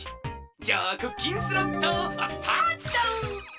じゃあクッキンスロットスタート！